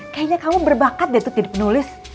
kayaknya kamu berbakat deh untuk jadi penulis